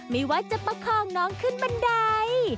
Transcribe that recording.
ไม่ว่าจะประคองน้องขึ้นบันได